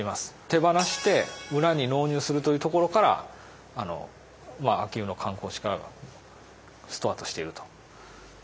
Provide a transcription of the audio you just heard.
手放して村に納入するというところから秋保の観光地化がスタートしていると。